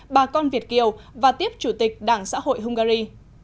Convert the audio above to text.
bà con việt kiều và tiếp chủ tịch đảng xã hội hungary